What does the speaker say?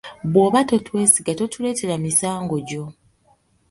Bw'oba totwesiga totuleetera misango gyo.